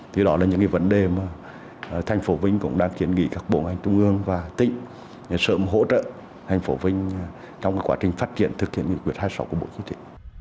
thì đó là những cái vấn đề mà thành phố vinh cũng đang kiên nghị các bộ ngành trung ương và tỉnh sớm hỗ trợ thành phố vinh trong quá trình phát triển thực hiện nghị quyết hai mươi sáu của bộ chính trị